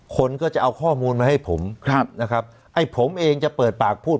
คนก็จะเอาข้อมูลมาให้ผมครับนะครับไอ้ผมเองจะเปิดปากพูด